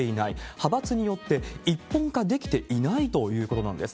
派閥によって一本化できていないということなんです。